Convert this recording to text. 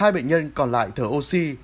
hai bệnh nhân còn lại thở oxy